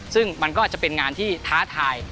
ซึ่งมันก็จะเป็นงานที่ท้าทาย